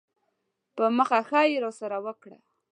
په مخه ښې یې راسره وکړه.